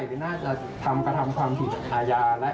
ที่ฉันยอมหาวันนี้ยอมพังนะคะ